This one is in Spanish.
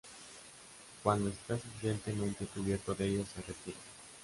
Cuando está suficientemente cubierto de ellos se retira.